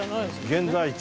現在地。